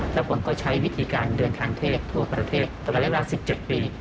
และผมก็ใช้วิธีการเดินทางเทศทั่วประเทศตลาดละ๑๗ปี